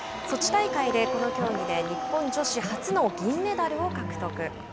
ソチ大会で、この競技で日本女子初の銀メダルを獲得。